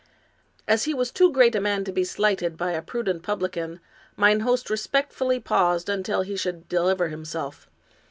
As he was too great a man to be slighted by a prudent publican, mine host respectfully paused until he should deliver himself.